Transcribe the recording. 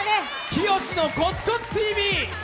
きよしのコツコツＴＶ。